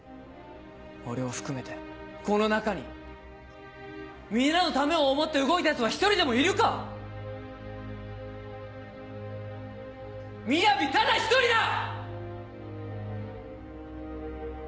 俺を含めてこの中に皆のためを思って動いたヤツは一人でもいるか⁉みやびただ一人だ！